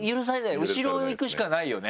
後ろ行くしかないよね。